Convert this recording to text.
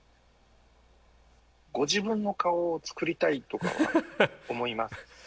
ご自分の顔を作りたいとかは思いますか？